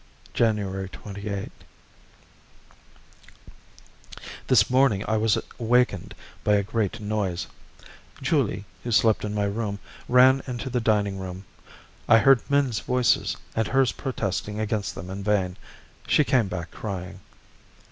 January 28. This morning I was awakened by a great noise. Julie, who slept in my room, ran into the dining room. I heard men's voices, and hers protesting against them in vain. She came back crying.